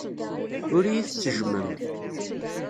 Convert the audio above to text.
Ur iyi-tettejjmem.